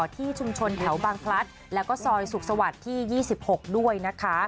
ที่ชุมชนแถวบางพลัดแล้วก็ซอยสุขสวรรค์ที่๒๖ด้วยนะคะ